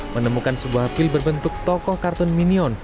menemukan sebuah pil berbentuk tokoh kartun minion